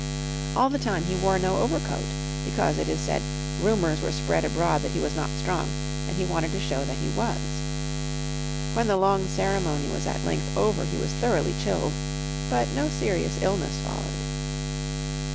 All the time he wore no overcoat. Because, it is said, rumours were spread abroad that he was not strong, and he wanted to show that he was. When the long ceremony was at length over he was thoroughly chilled, but no serious illness followed.